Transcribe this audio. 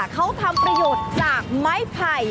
เขาทำประโยชน์จากไม้ไผ่